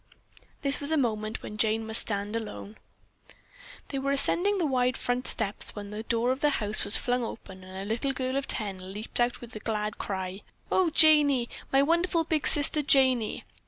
This was a moment when Jane must stand alone. They were ascending the wide front steps when the door of the house was flung open and a little girl of ten leaped out with a glad cry. "Oh, Janey, my wonderful big sister Janey."